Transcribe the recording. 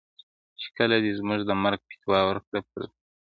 چي کله دې زموږ د مرگ فتواء ورکړه پردو ته,